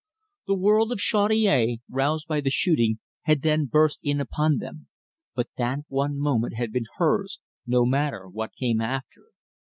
The world of Chaudiere, roused by the shooting, had then burst in upon them; but that one moment had been hers, no matter what came after.